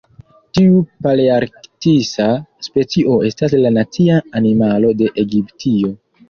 Tiu palearktisa specio estas la nacia animalo de Egiptio.